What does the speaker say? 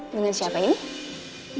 dengan siapa ini